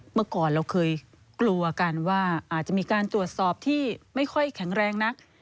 เมื่อก่อนเราเคยกลัวกันว่าอาจจะมีการตรวจสอบที่ไม่ค่อยแข็งแรงนัก